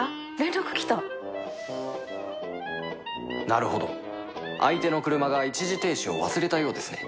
なるほど相手の車が一時停止を忘れたようですね